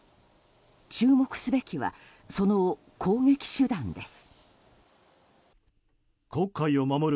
注目すべきはその攻撃手段です。